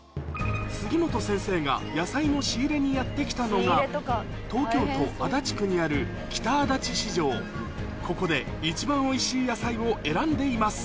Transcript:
杉本先生が野菜の仕入れにやって来たのがここで一番おいしい野菜を選んでいます